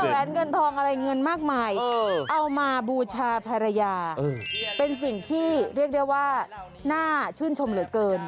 แหวนเงินทองอะไรเงินมากมายเอามาบูชาภรรยาเป็นสิ่งที่เรียกได้ว่าน่าชื่นชมเหลือเกิน